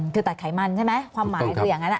คือตัดไขมันใช่ไหมความหมายคืออย่างนั้น